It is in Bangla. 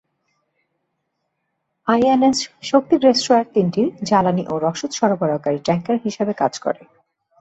আইএনএস "শক্তি" ডেস্ট্রয়ার তিনটির জ্বালানি ও রসদ সরবরাহকারী ট্যাঙ্কার হিসাবে কাজ করে।